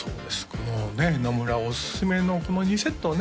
このね野村おすすめのこの２セットをね